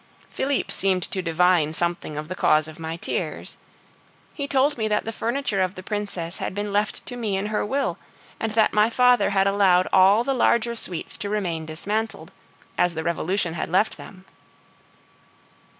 Philippe seemed to divine something of the cause of my tears. He told me that the furniture of the Princess had been left to me in her will and that my father had allowed all the larger suites to remain dismantled, as the Revolution had left them.